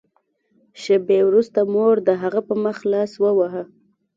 شېبې وروسته مور د هغه په مخ لاس وواهه